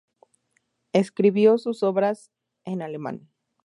Escribió su obras en alemán.